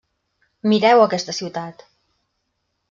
Mireu aquesta ciutat!